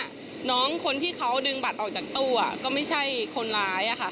น้องคนที่เขาดึงบัตรออกจากตู้ก็ไม่ใช่คนร้ายอะค่ะ